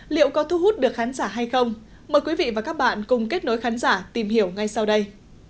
liệu có thu hút được khán giả hay không mời quý vị và các bạn cùng kết nối khán giả tìm hiểu ngay sau đây